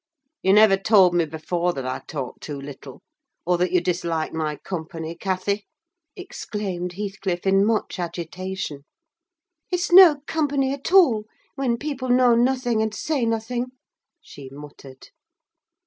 "You never told me before that I talked too little, or that you disliked my company, Cathy!" exclaimed Heathcliff, in much agitation. "It's no company at all, when people know nothing and say nothing," she muttered.